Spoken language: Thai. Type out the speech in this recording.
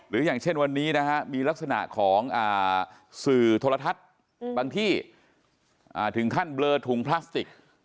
อย่างเช่นวันนี้นะฮะมีลักษณะของสื่อโทรทัศน์บางที่ถึงขั้นเบลอถุงพลาสติก